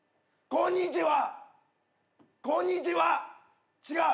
こんにちは！